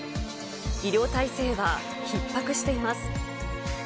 医療体制はひっ迫しています。